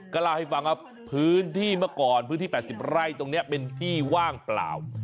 ก็เล่าให้ฟังว่าพื้นที่เมื่อก่อนพื้นที่๘๐ไร่ตรงนี้เป็นที่ว่างเปล่า